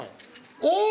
お！